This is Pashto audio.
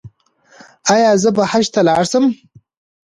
ایا زه به حج ته لاړ شم؟